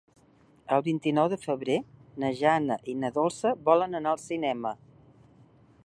El vint-i-nou de febrer na Jana i na Dolça volen anar al cinema.